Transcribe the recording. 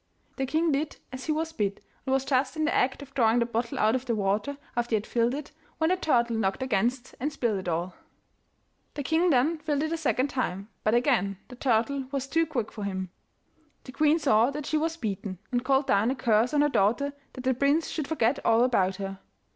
The king did as he was bid, and was just in the act of drawing the bottle out of the water after he had filled it, when the turtle knocked against and spilt it all. The king then filled it a second time, but again the turtle was too quick for him. The queen saw that she was beaten, and called down a curse on her daughter that the prince should forget all about her.